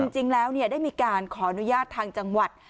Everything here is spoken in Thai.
จริงแล้วได้มีการขออนุญาตทางจังหวัด